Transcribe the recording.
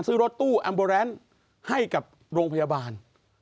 รถตู้อัมเบอร์แรนด์ให้กับโรงพยาบาล